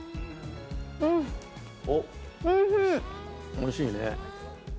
おいしいよね。